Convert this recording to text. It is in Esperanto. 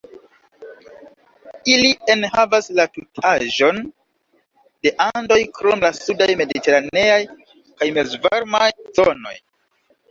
Ili enhavas la tutaĵon de Andoj krom la sudaj mediteraneaj kaj mezvarmaj zonoj.